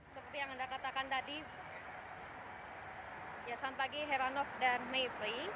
seperti yang anda katakan tadi ya selamat pagi heranov dan mevri